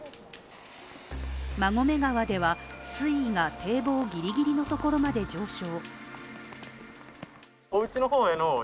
馬込川では、水位が堤防ギリギリのところまで上昇。